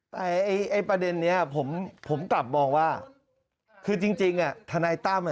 แต่ไอ้ประเด็นนี้ผมกลับมองว่าคือจริงทนายตั้ม